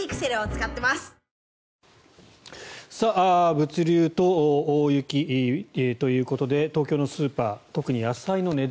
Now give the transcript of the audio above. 物流と大雪ということで東京のスーパー、特に野菜の値段